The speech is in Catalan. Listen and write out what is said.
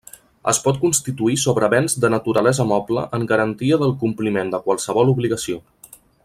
Es pot constituir sobre béns de naturalesa moble en garantia del compliment de qualsevol obligació.